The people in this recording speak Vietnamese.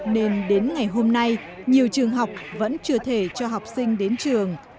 nên đến ngày hôm nay nhiều trường học vẫn chưa thể cho học sinh đến trường